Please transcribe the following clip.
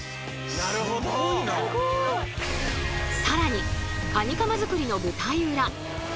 更にカニカマづくりの舞台裏